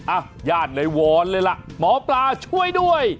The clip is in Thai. อ่ะญาติเลยวอนเลยล่ะหมอปลาช่วยด้วย